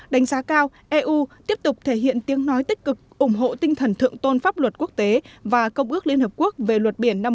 đánh giá cao eu tiếp tục thể hiện tiếng nói tích cực ủng hộ tinh thần thượng tôn pháp luật quốc tế và công ước liên hợp quốc về luật biển năm một nghìn chín trăm hai